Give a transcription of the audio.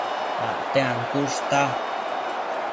Acte ancushta